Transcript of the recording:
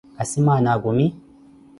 asimaana akumi?